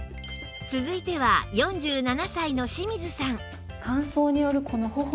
続いては４７歳の清水さん